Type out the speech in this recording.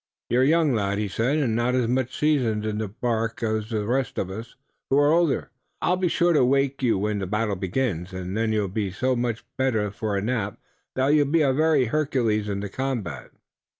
"You're young, lad," he said, "and not as much seasoned in the bark as the rest of us who are older. I'll be sure to wake you when the battle begins, and then you'll be so much the better for a nap that you'll be a very Hercules in the combat."